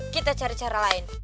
kita cari cara lain